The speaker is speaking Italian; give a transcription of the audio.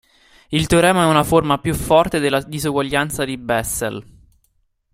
Il teorema è una forma più forte della disuguaglianza di Bessel.